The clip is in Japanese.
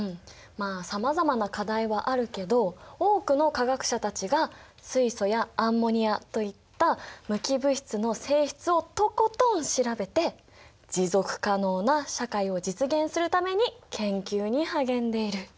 まあさまざまな課題はあるけど多くの化学者たちが水素やアンモニアといった無機物質の性質をとことん調べて持続可能な社会を実現するために研究に励んでいる。